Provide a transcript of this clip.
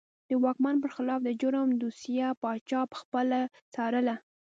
د واکمن پر خلاف د جرم دوسیه پاچا پخپله څارله.